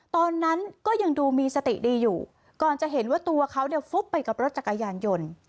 ตอนนั้นก็ยังดูมีสติดีอยู่ก่อนจะเห็นว่าตัวเขาเนี่ยฟุบไปกับรถจักรยานยนต์